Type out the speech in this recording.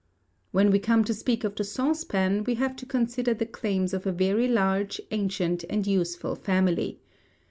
When we come to speak of the Saucepan, we have to consider the claims of a very large, ancient, and useful family.